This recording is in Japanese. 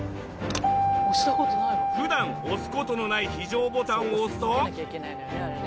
普段押す事のない非常ボタンを押すと。